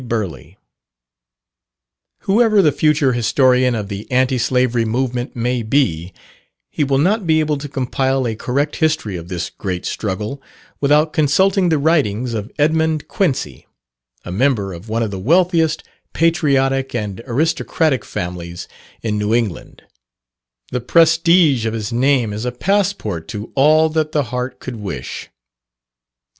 Burleigh. Whoever the future historian of the Anti Slavery movement may be, he will not be able to compile a correct history of this great struggle, without consulting the writings of Edmund Quincy, a member of one of the wealthiest, patriotic, and aristocratic families in New England: the prestige of his name is a passport to all that the heart could wish.